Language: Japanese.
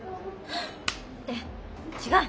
って違う！